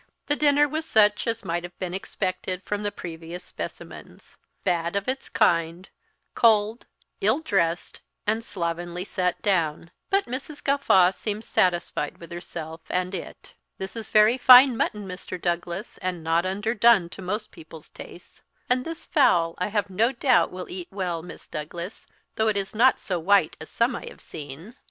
The dinner was such as might have been expected from the previous specimens bad of its kind, cold, ill dressed, and slovenly set down; but Mrs. Gawtfaw seemed satisfied with herself and it. "This is very fine mutton, Mr. Douglas, and not underdone to most people's tastes; and this fowl, I have no doubt will eat well, Miss Douglas, though it is not so white as some I have seen."